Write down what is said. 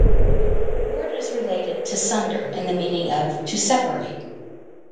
The word is related to "to sunder" in the meaning of "to separate".